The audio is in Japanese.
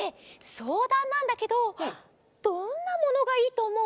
そうだんなんだけどどんなものがいいとおもう？